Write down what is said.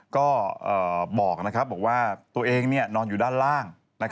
ก็บอกว่าตัวเองนอนอยู่ด้านล่าง